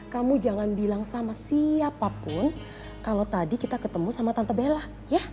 kamu jangan bilang sama siapapun kalau tadi kita ketemu sama tante bella ya